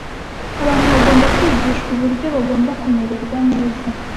Abantu bagomba kwigishwa uburyo bagomba kumererwa neza